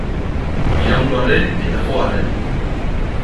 Iraindu arren eta jo arren.